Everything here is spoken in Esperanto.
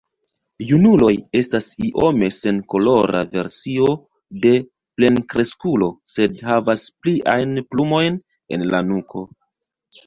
Junuloj estas iome senkolora versio de plenkreskulo sed havas pliajn plumojn en la nuko.